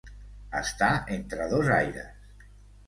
Estar entre dos aires.